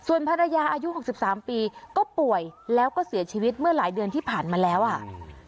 ภรรยาอายุ๖๓ปีก็ป่วยแล้วก็เสียชีวิตเมื่อหลายเดือนที่ผ่านมาแล้วอ่ะ